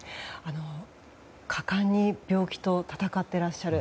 果敢に病気と闘っていらっしゃる。